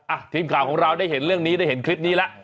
ทีมข่าวของเราได้เห็นเรื่องนี้ได้เห็นคลิปนี้แล้ว